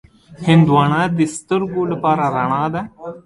هندوانه د سترګو لپاره رڼا ده.